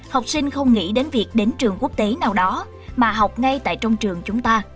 học sinh không nghĩ đến việc đến trường quốc tế nào đó mà học ngay tại trong trường chúng ta